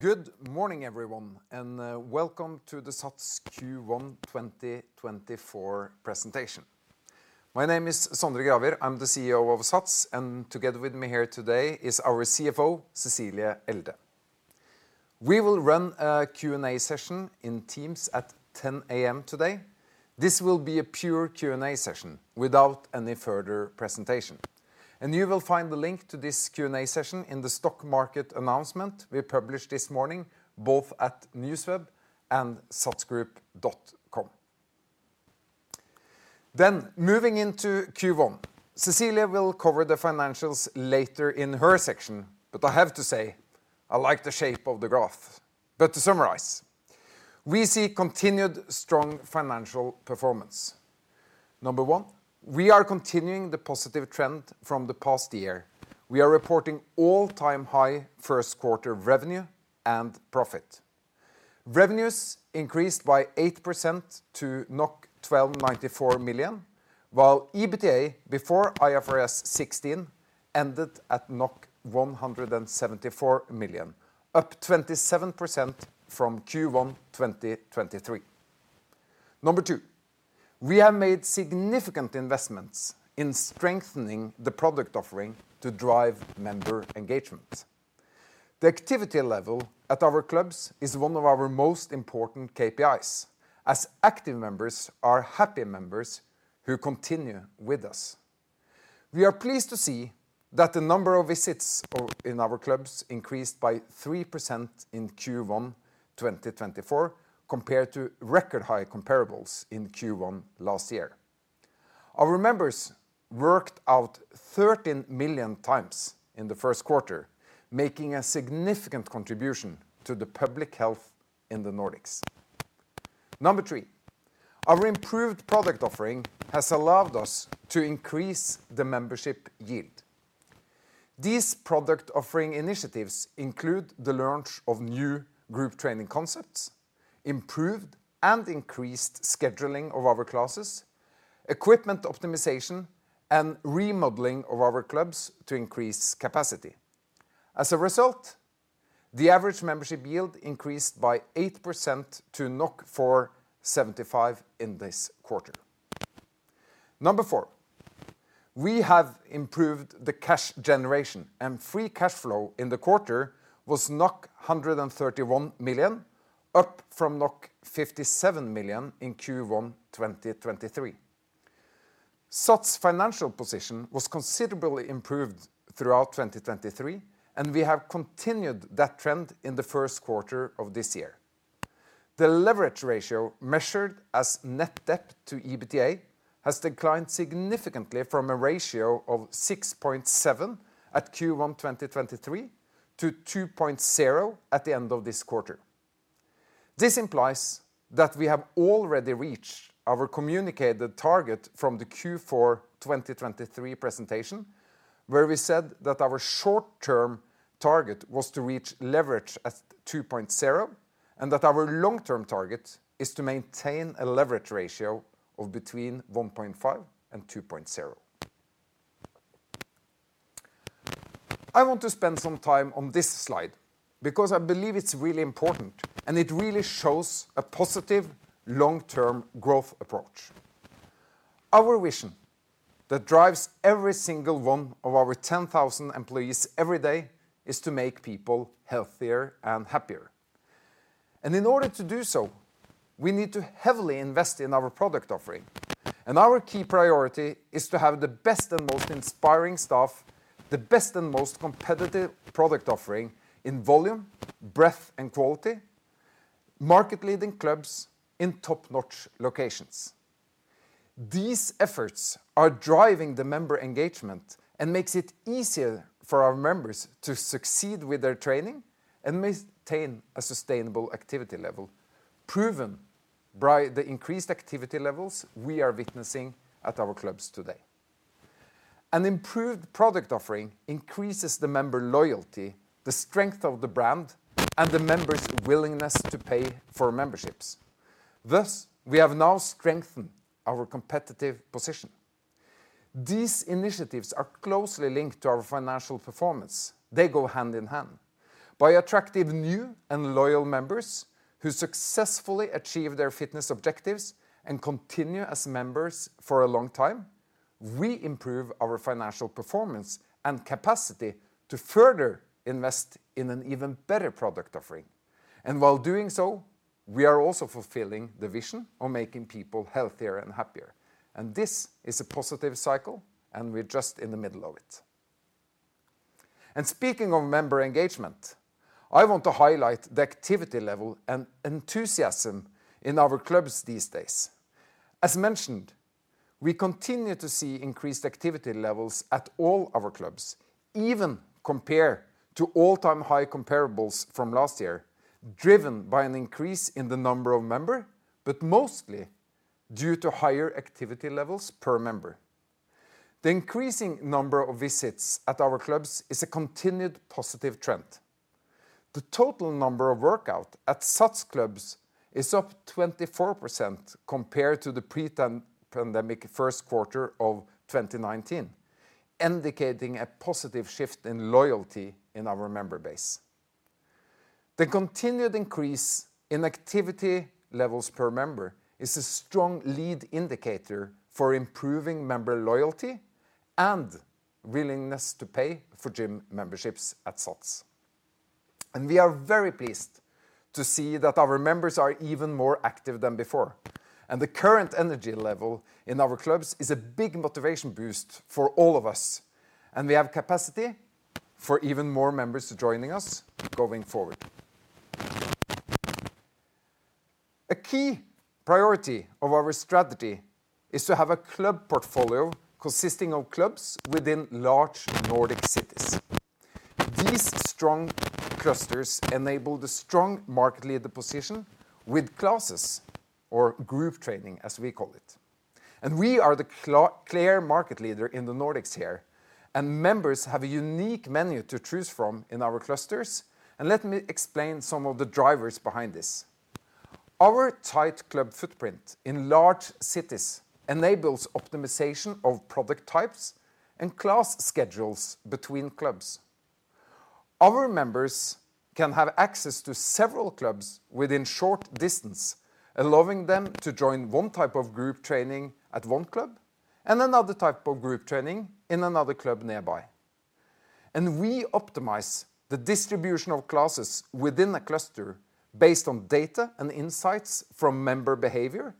Good morning, everyone, and welcome to the SATS Q1 2024 presentation. My name is Sondre Gravir. I'm the CEO of SATS, and together with me here today is our CFO, Cecilie Elde. We will run a Q&A session in Teams at 10 A.M. today. This will be a pure Q&A session without any further presentation, and you will find the link to this Q&A session in the stock market announcement we published this morning, both at NewsWeb and satsgroup.com. Then moving into Q1. Cecilie will cover the financials later in her section, but I have to say, I like the shape of the graph. But to summarize, we see continued strong financial performance. Number one, we are continuing the positive trend from the past year. We are reporting all-time high first quarter revenue and profit. Revenues increased by 8% to 1,294 million, while EBITDA before IFRS 16 ended at 174 million, up 27% from Q1 2023.Number two, we have made significant investments in strengthening the product offering to drive member engagement. The activity level at our clubs is one of our most important KPIs, as active members are happy members who continue with us. We are pleased to see that the number of visits in our clubs increased by 3% in Q1 2024, compared to record high comparables in Q1 last year. Our members worked out 13 million times in the first quarter, making a significant contribution to the public health in the Nordics. Number three, our improved product offering has allowed us to increase the membership yield. These product offering initiatives include the launch of new group training concepts, improved and increased scheduling of our classes, equipment optimization, and remodeling of our clubs to increase capacity. As a result, the average membership yield increased by 8% to 475 in this quarter. Number four, we have improved the cash generation, and free cash flow in the quarter was 131 million, up from 57 million in Q1 2023. SATS' financial position was considerably improved throughout 2023, and we have continued that trend in the first quarter of this year. The leverage ratio, measured as net debt to EBITDA, has declined significantly from a ratio of 6.7 at Q1 2023 to2.0 at the end of this quarter. This implies that we have already reached our communicated target from the Q4 2023 presentation, where we said that our short-term target was to reach leverage at 2.0, and that our long-term target is to maintain a leverage ratio of between 1.5 and 2.0. I want to spend some time on this slide because I believe it's really important, and it really shows a positive long-term growth approach. Our vision that drives every single one of our 10,000 employees every day is to make people healthier and happier. In order to do so, we need to heavily invest in our product offering. Our key priority is to have the best and most inspiring staff, the best and most competitive product offering in volume, breadth, and quality, market-leading clubs in top-notch locations. These efforts are driving the member engagement and makes it easier for our members to succeed with their training and maintain a sustainable activity level, proven by the increased activity levels we are witnessing at our clubs today. An improved product offering increases the member loyalty, the strength of the brand, and the members' willingness to pay for memberships. Thus, we have now strengthened our competitive position. These initiatives are closely linked to our financial performance. They go hand in hand. By attracting new and loyal members who successfully achieve their fitness objectives and continue as members for a long time, we improve our financial performance and capacity to further invest in an even better product offering. And while doing so, we are also fulfilling the vision of making people healthier and happier, and this is a positive cycle, and we're just in the middle of it. Speaking of member engagement, I want to highlight the activity level and enthusiasm in our clubs these days. As mentioned, we continue to see increased activity levels at all our clubs, even compared to all-time high comparables from last year, driven by an increase in the number of members, but mostly due to higher activity levels per member. The increasing number of visits at our clubs is a continued positive trend. The total number of workouts at SATS clubs is up 24% compared to the pre-pandemic first quarter of 2019, indicating a positive shift in loyalty in our member base. The continued increase in activity levels per member is a strong lead indicator for improving member loyalty and willingness to pay for gym memberships at SATS. We are very pleased to see that our members are even more active than before, and the current energy level in our clubs is a big motivation boost for all of us, and we have capacity for even more members to joining us going forward. A key priority of our strategy is to have a club portfolio consisting of clubs within large Nordic cities. These strong clusters enable the strong market leader position with classes, or group training, as we call it. We are the clear market leader in the Nordics here, and members have a unique menu to choose from in our clusters, and let me explain some of the drivers behind this. Our tight club footprint in large cities enables optimization of product types and class schedules between clubs. Our members can have access to several clubs within short distance, allowing them to join one type of group training at one club and another type of group training in another club nearby. We optimize the distribution of classes within a cluster based on data and insights from member behavior,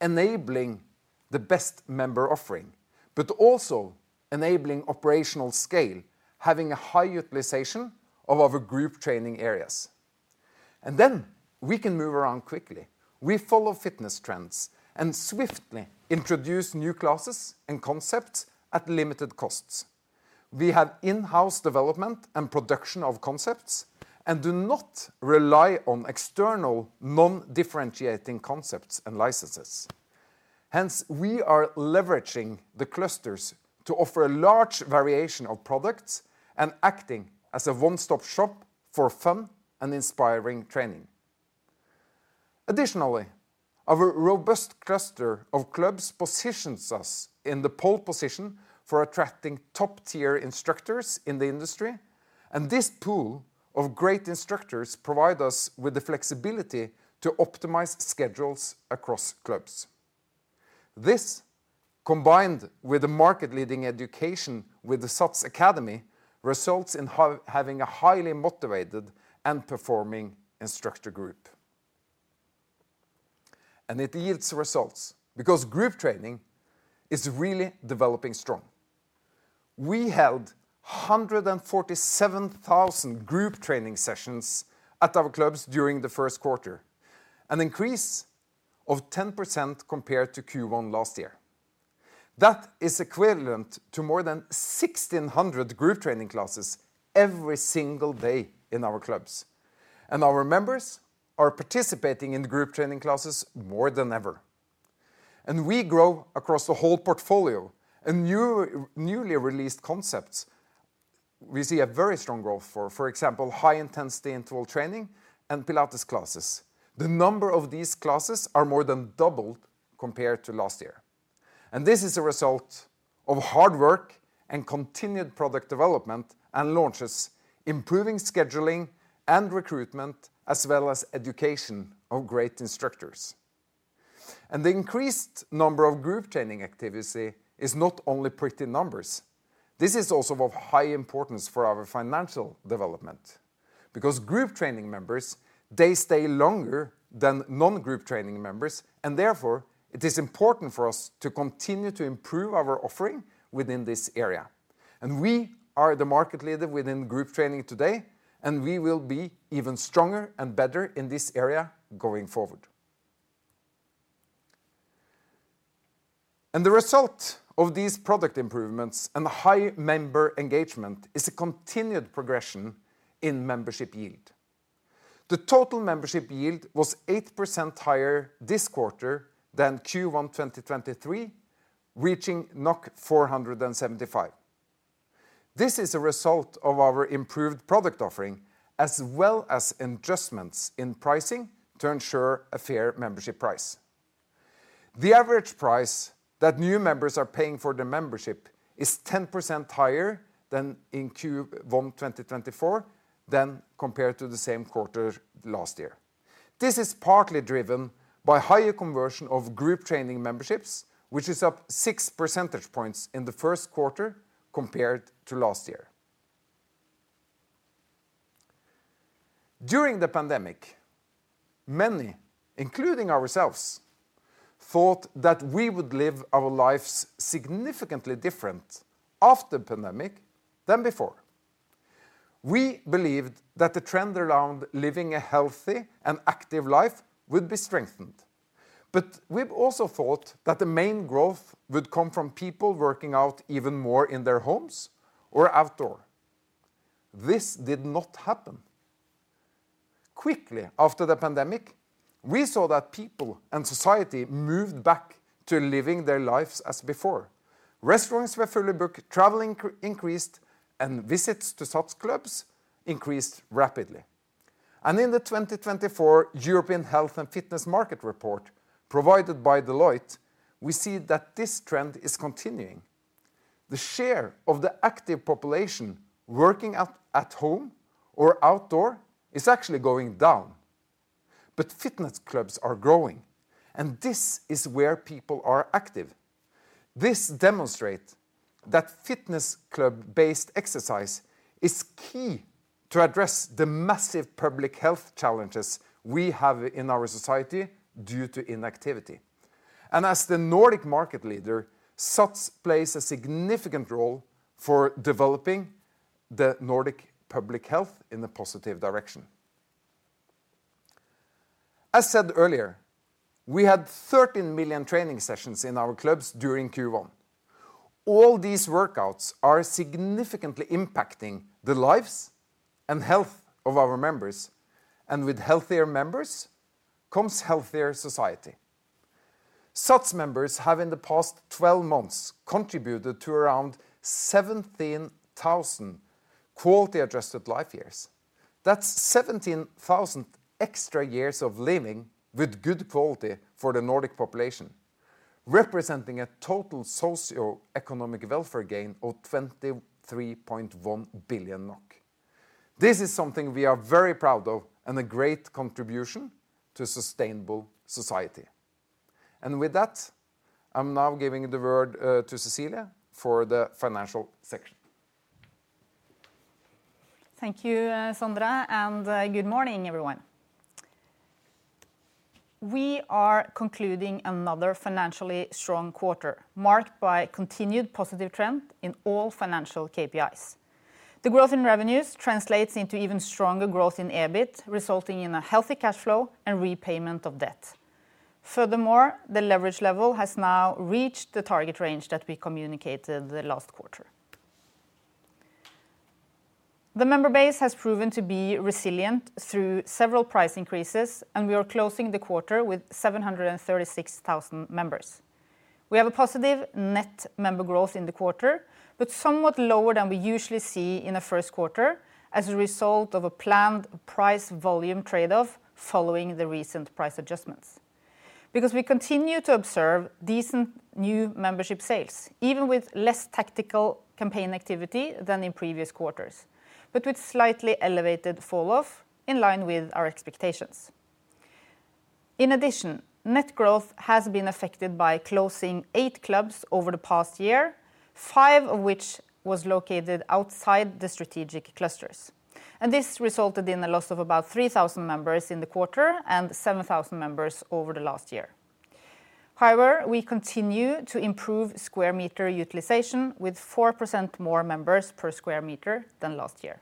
enabling the best member offering, but also enabling operational scale, having a high utilization of our group training areas. We can move around quickly. We follow fitness trends and swiftly introduce new classes and concepts at limited costs. We have in-house development and production of concepts and do not rely on external, non-differentiating concepts and licenses. Hence, we are leveraging the clusters to offer a large variation of products and acting as a one-stop shop for fun and inspiring training. Additionally, our robust cluster of clubs positions us in the pole position for attracting top-tier instructors in the industry, and this pool of great instructors provide us with the flexibility to optimize schedules across clubs. This, combined with the market-leading education with the SATS Academy, results in having a highly motivated and performing instructor group. And it yields results, because group training is really developing strong. We held 147,000 group training sessions at our clubs during the first quarter, an increase of 10% compared to Q1 last year. That is equivalent to more than 1,600 group training classes every single day in our clubs, and our members are participating in the group training classes more than ever. And we grow across the whole portfolio. In new, newly released concepts, we see a very strong growth for, for example, high-intensity interval training and Pilates classes. The number of these classes are more than doubled compared to last year, and this is a result of hard work and continued product development and launches, improving scheduling and recruitment, as well as education of great instructors. The increased number of group training activity is not only pretty numbers. This is also of high importance for our financial development, because group training members, they stay longer than non-group training members, and therefore, it is important for us to continue to improve our offering within this area. We are the market leader within group training today, and we will be even stronger and better in this area going forward. The result of these product improvements and high member engagement is a continued progression in membership yield. The total membership yield was 8% higher this quarter than Q1 2023, reaching 475. This is a result of our improved product offering, as well as adjustments in pricing to ensure a fair membership price. The average price that new members are paying for their membership is 10% higher than in Q1 2024 than compared to the same quarter last year. This is partly driven by higher conversion of group training memberships, which is up six percentage points in the first quarter compared to last year. During the pandemic, many, including ourselves, thought that we would live our lives significantly different after the pandemic than before. We believed that the trend around living a healthy and active life would be strengthened, but we've also thought that the main growth would come from people working out even more in their homes or outdoor. This did not happen. Quickly after the pandemic, we saw that people and society moved back to living their lives as before. Restaurants were fully booked, traveling increased, and visits to SATS clubs increased rapidly. In the 2024 European Health and Fitness Market Report provided by Deloitte, we see that this trend is continuing. The share of the active population working at home or outdoor is actually going down, but fitness clubs are growing, and this is where people are active. This demonstrate that fitness club-based exercise is key to address the massive public health challenges we have in our society due to inactivity. As the Nordic market leader, SATS plays a significant role for developing the Nordic public health in a positive direction. As said earlier, we had 13 million training sessions in our clubs during Q1. All these workouts are significantly impacting the lives and health of our members, and with healthier members, comes healthier society. SATS members have, in the past twelve months, contributed to around 17,000 quality adjusted life years. That's 17,000 extra years of living with good quality for the Nordic population, representing a total socioeconomic welfare gain of 23.1 billion NOK. This is something we are very proud of and a great contribution to sustainable society. And with that, I'm now giving the word to Cecilie for the financial section. Thank you, Sondre, and, good morning, everyone. We are concluding another financially strong quarter, marked by continued positive trend in all financial KPIs. The growth in revenues translates into even stronger growth in EBIT, resulting in a healthy cash flow and repayment of debt. Furthermore, the leverage level has now reached the target range that we communicated the last quarter. The member base has proven to be resilient through several price increases, and we are closing the quarter with 736,000 members. We have a positive net member growth in the quarter, but somewhat lower than we usually see in the first quarter as a result of a planned price volume trade-off following the recent price adjustments. Because we continue to observe decent new membership sales, even with less tactical campaign activity than in previous quarters, but with slightly elevated falloff in line with our expectations. In addition, net growth has been affected by closing eight clubs over the past year, five of which was located outside the strategic clusters, and this resulted in a loss of about 3,000 members in the quarter and 7,000 members over the last year. However, we continue to improve square meter utilization with 4% more members per square meter than last year.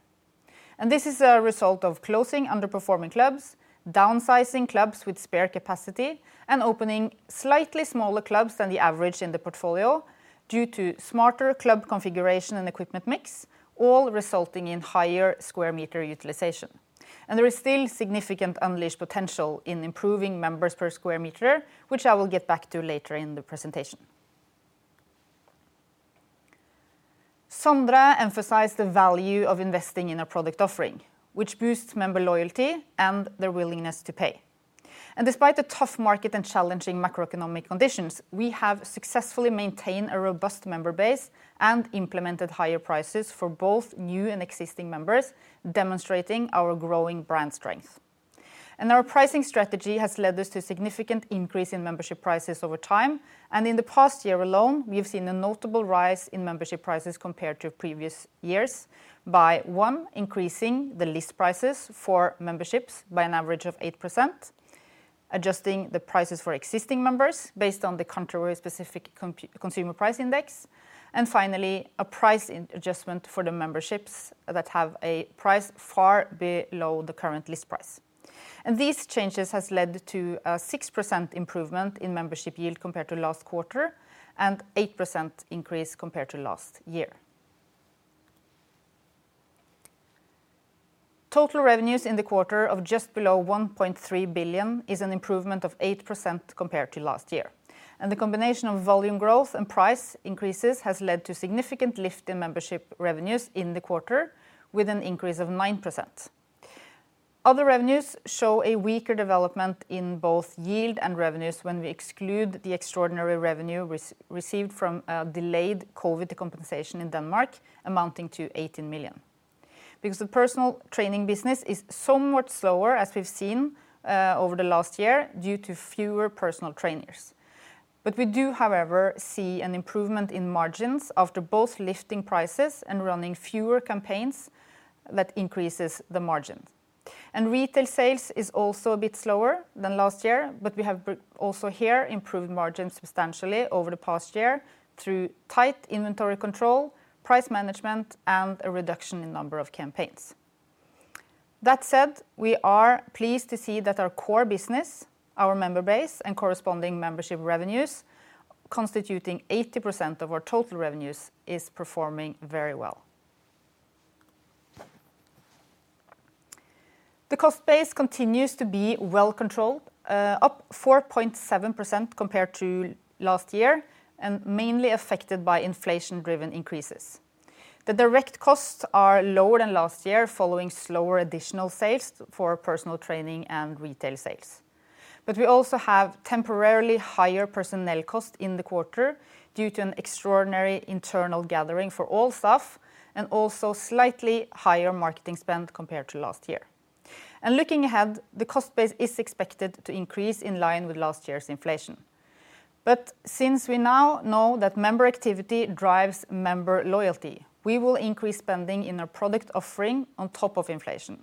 This is a result of closing underperforming clubs, downsizing clubs with spare capacity, and opening slightly smaller clubs than the average in the portfolio due to smarter club configuration and equipment mix, all resulting in higher square meter utilization. There is still significant unleashed potential in improving members per square meter, which I will get back to later in the presentation. Sondre emphasized the value of investing in a product offering, which boosts member loyalty and their willingness to pay. Despite the tough market and challenging macroeconomic conditions, we have successfully maintained a robust member base and implemented higher prices for both new and existing members, demonstrating our growing brand strength. Our pricing strategy has led us to significant increase in membership prices over time, and in the past year alone, we have seen a notable rise in membership prices compared to previous years by, one, increasing the list prices for memberships by an average of 8%, adjusting the prices for existing members based on the country-specific consumer price index, and finally, a price adjustment for the memberships that have a price far below the current list price. These changes has led to a 6% improvement in membership yield compared to last quarter and 8% increase compared to last year. Total revenues in the quarter of just below 1.3 billion is an improvement of 8% compared to last year. The combination of volume growth and price increases has led to significant lift in membership revenues in the quarter, with an increase of 9%. Other revenues show a weaker development in both yield and revenues when we exclude the extraordinary revenue received from delayed COVID compensation in Denmark, amounting to 18 million. Because the personal training business is somewhat slower, as we've seen over the last year, due to fewer personal trainers. We do, however, see an improvement in margins after both lifting prices and running fewer campaigns that increases the margin. Retail sales is also a bit slower than last year, but we have also here improved margins substantially over the past year through tight inventory control, price management, and a reduction in number of campaigns. That said, we are pleased to see that our core business, our member base, and corresponding membership revenues, constituting 80% of our total revenues, is performing very well. The cost base continues to be well controlled, up 4.7% compared to last year, and mainly affected by inflation-driven increases. The direct costs are lower than last year, following slower additional sales for personal training and retail sales. But we also have temporarily higher personnel cost in the quarter due to an extraordinary internal gathering for all staff, and also slightly higher marketing spend compared to last year. Looking ahead, the cost base is expected to increase in line with last year's inflation. But since we now know that member activity drives member loyalty, we will increase spending in our product offering on top of inflation,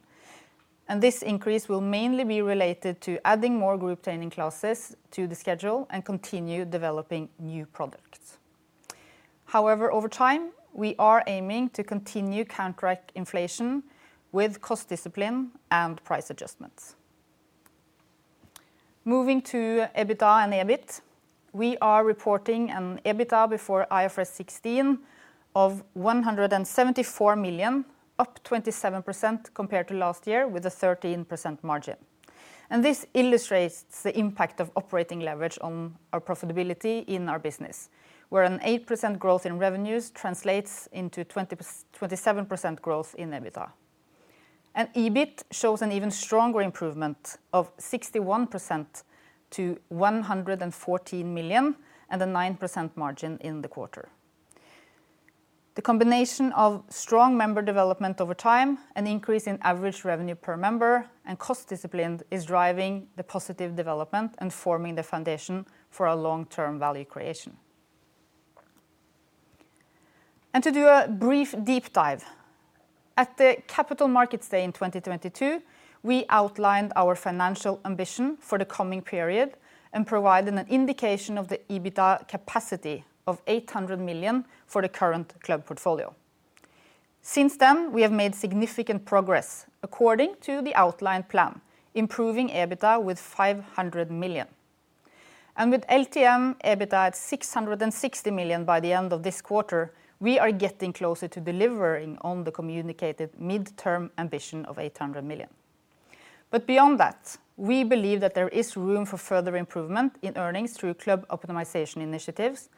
and this increase will mainly be related to adding more group training classes to the schedule and continue developing new products. However, over time, we are aiming to continue counteract inflation with cost discipline and price adjustments. Moving to EBITDA and EBIT, we are reporting an EBITDA before IFRS 16 of 174 million, up 27% compared to last year, with a 13% margin. This illustrates the impact of operating leverage on our profitability in our business, where an 8% growth in revenues translates into 27% growth in EBITDA. EBIT shows an even stronger improvement of 61% to 114 million and a 9% margin in the quarter. The combination of strong member development over time, an increase in average revenue per member, and cost discipline is driving the positive development and forming the foundation for our long-term value creation. To do a brief deep dive, at the Capital Markets Day in 2022, we outlined our financial ambition for the coming period and provided an indication of the EBITDA capacity of 800 million for the current club portfolio. Since then, we have made significant progress according to the outlined plan, improving EBITDA with 500 million. With LTM EBITDA at 660 million by the end of this quarter, we are getting closer to delivering on the communicated midterm ambition of 800 million. Beyond that, we believe that there is room for further improvement in earnings through club optimization initiatives,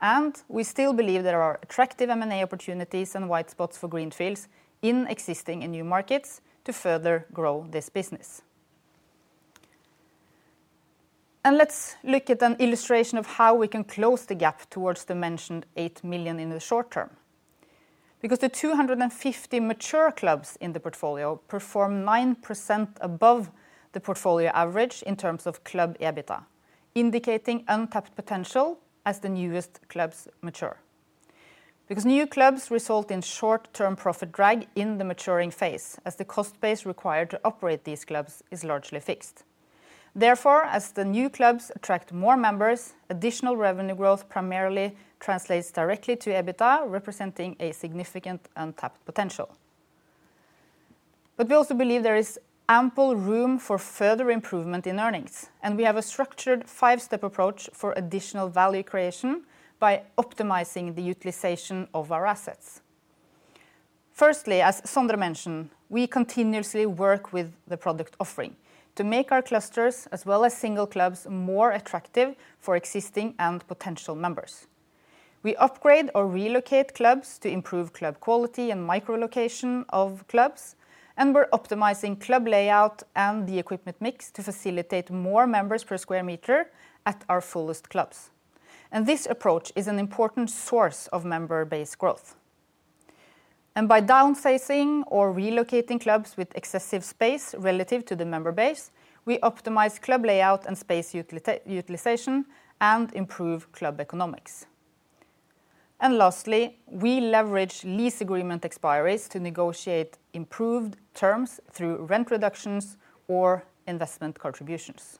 and we still believe there are attractive M&A opportunities and white spots for greenfields in existing and new markets to further grow this business. Let's look at an illustration of how we can close the gap towards the mentioned 8 million in the short term. Because the 250 mature clubs in the portfolio perform 9% above the portfolio average in terms of club EBITDA, indicating untapped potential as the newest clubs mature. Because new clubs result in short-term profit drag in the maturing phase, as the cost base required to operate these clubs is largely fixed. Therefore, as the new clubs attract more members, additional revenue growth primarily translates directly to EBITDA, representing a significant untapped potential. But we also believe there is ample room for further improvement in earnings, and we have a structured five-step approach for additional value creation by optimizing the utilization of our assets. Firstly, as Sondre mentioned, we continuously work with the product offering to make our clusters, as well as single clubs, more attractive for existing and potential members. We upgrade or relocate clubs to improve club quality and micro location of clubs, and we're optimizing club layout and the equipment mix to facilitate more members per square meter at our fullest clubs. This approach is an important source of member-based growth. By downsizing or relocating clubs with excessive space relative to the member base, we optimize club layout and space utilization and improve club economics. Lastly, we leverage lease agreement expiries to negotiate improved terms through rent reductions or investment contributions.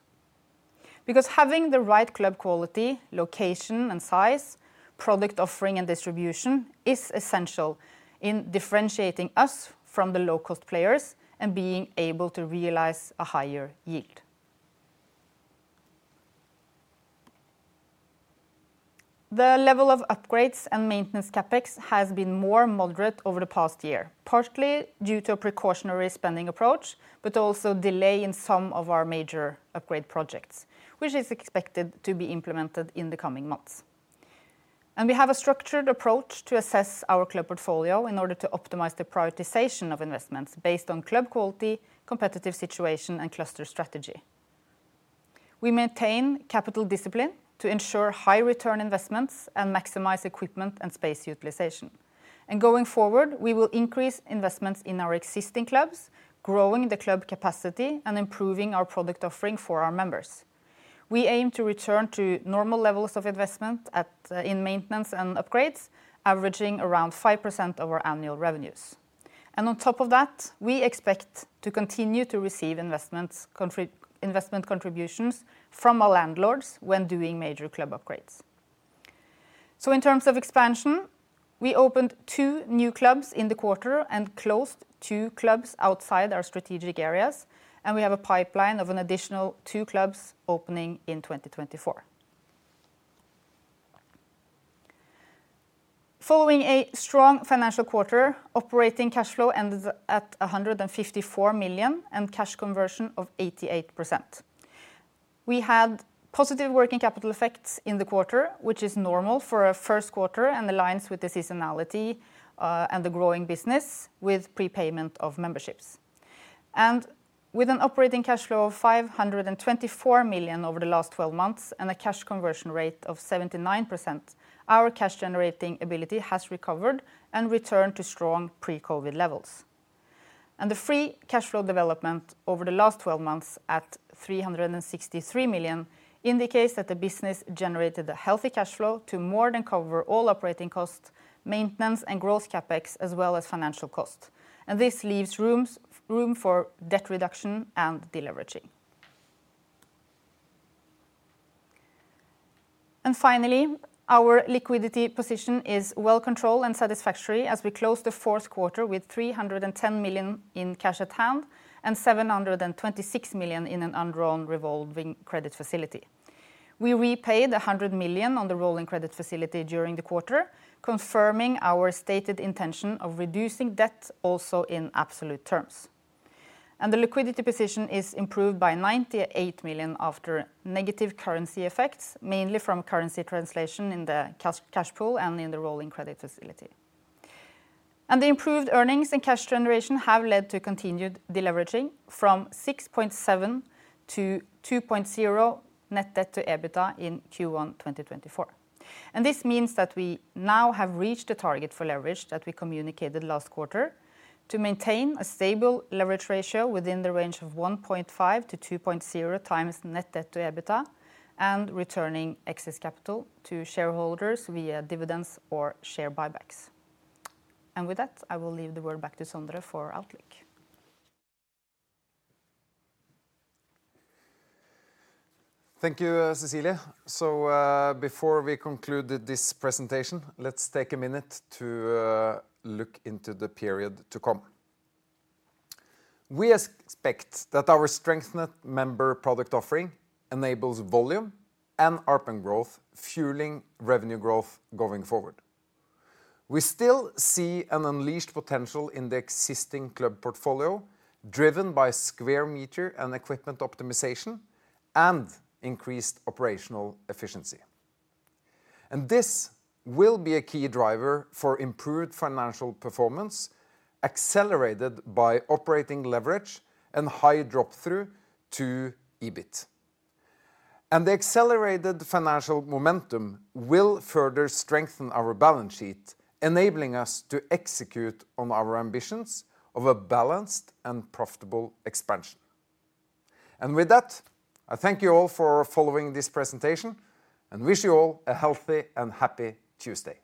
Because having the right club quality, location, and size, product offering, and distribution is essential in differentiating us from the low-cost players and being able to realize a higher yield. The level of upgrades and maintenance CapEx has been more moderate over the past year, partly due to a precautionary spending approach, but also delay in some of our major upgrade projects, which is expected to be implemented in the coming months. We have a structured approach to assess our club portfolio in order to optimize the prioritization of investments based on club quality, competitive situation, and cluster strategy. We maintain capital discipline to ensure high return investments and maximize equipment and space utilization. Going forward, we will increase investments in our existing clubs, growing the club capacity and improving our product offering for our members. We aim to return to normal levels of investment at, in maintenance and upgrades, averaging around 5% of our annual revenues. And on top of that, we expect to continue to receive investment contributions from our landlords when doing major club upgrades. So in terms of expansion, we opened two new clubs in the quarter and closed two clubs outside our strategic areas, and we have a pipeline of an additional two clubs opening in 2024. Following a strong financial quarter, operating cash flow ended at 154 million and cash conversion of 88%.... We had positive working capital effects in the quarter, which is normal for a first quarter and aligns with the seasonality, and the growing business with prepayment of memberships. With an operating cash flow of 524 million over the last twelve months and a cash conversion rate of 79%, our cash-generating ability has recovered and returned to strong pre-COVID levels. The free cash flow development over the last twelve months at 363 million indicates that the business generated a healthy cash flow to more than cover all operating costs, maintenance, and growth CapEx, as well as financial cost. This leaves room for debt reduction and deleveraging. Finally, our liquidity position is well controlled and satisfactory as we close the fourth quarter with 310 million in cash at hand and 726 million in an undrawn revolving credit facility. We repaid 100 million on the revolving credit facility during the quarter, confirming our stated intention of reducing debt also in absolute terms. The liquidity position is improved by 98 million after negative currency effects, mainly from currency translation in the cash pool and in the revolving credit facility. The improved earnings and cash generation have led to continued deleveraging from 6.7-2.0 net debt to EBITDA in Q1 2024. This means that we now have reached the target for leverage that we communicated last quarter to maintain a stable leverage ratio within the range of 1.5x-2.0x net debt to EBITDA and returning excess capital to shareholders via dividends or share buybacks. With that, I will leave the word back to Sondre for outlook. Thank you, Cecilie. So, before we conclude this presentation, let's take a minute to look into the period to come. We expect that our strengthened member product offering enables volume and ARPM growth, fueling revenue growth going forward. We still see an unleashed potential in the existing club portfolio, driven by square meter and equipment optimization and increased operational efficiency. And this will be a key driver for improved financial performance, accelerated by operating leverage and high drop-through to EBIT. And the accelerated financial momentum will further strengthen our balance sheet, enabling us to execute on our ambitions of a balanced and profitable expansion. And with that, I thank you all for following this presentation and wish you all a healthy and happy Tuesday!